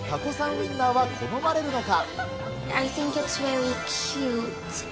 ウインナーは好まれるのか？